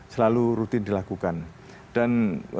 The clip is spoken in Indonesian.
selalu rutin dilakukan dan